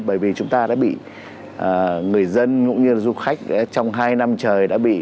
bởi vì chúng ta đã bị người dân cũng như là du khách trong hai năm trời đã bị